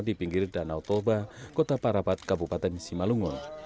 di pinggir danau toba kota parapat kabupaten simalungun